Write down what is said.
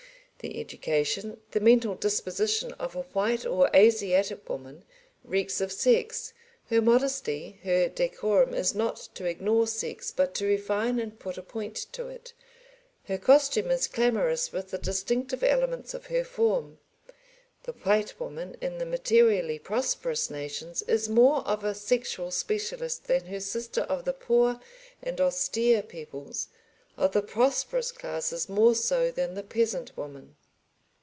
The education, the mental disposition, of a white or Asiatic woman, reeks of sex; her modesty, her decorum is not to ignore sex but to refine and put a point to it; her costume is clamorous with the distinctive elements of her form. The white woman in the materially prosperous nations is more of a sexual specialist than her sister of the poor and austere peoples, of the prosperous classes more so than the peasant woman.